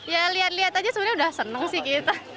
ya lihat lihat aja sebenarnya udah seneng sih kita